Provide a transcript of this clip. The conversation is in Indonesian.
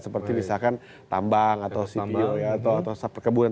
seperti misalkan tambang atau cpo atau perkebunan